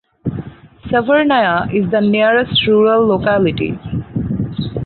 Severnaya is the nearest rural locality.